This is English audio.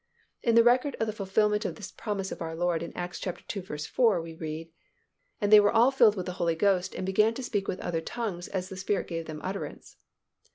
In the record of the fulfillment of this promise of our Lord in Acts ii. 4, we read, "And they were all filled with the Holy Ghost and began to speak with other tongues as the Spirit gave them utterance."